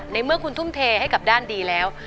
ในเมื่อคุณทุ่มเทให้กับด้านดีแล้ว